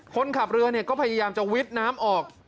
คนขับเรือก็พยายามจะวิทย์น้ำออก